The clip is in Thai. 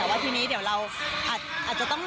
แต่ว่าทีนี้เดี๋ยวเราอาจจะต้อง